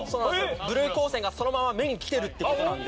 ブルー光線がそのまま目にきてるって事なので。